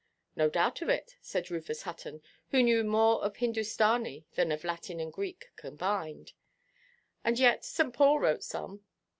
"No doubt of it," said Rufus Hutton, who knew more of Hindustani than of Latin and Greek combined; "and yet St. Paul wrote some."